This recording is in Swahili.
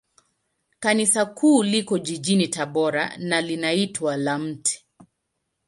Kanisa Kuu liko jijini Tabora, na linaitwa la Mt.